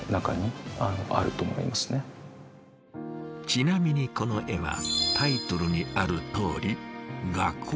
ちなみにこの絵はタイトルにあるとおり「画稿」。